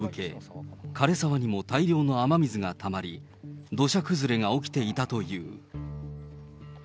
道志村も被害を受け、かれ沢にも大量の雨水がたまり、土砂崩れが起きていたという。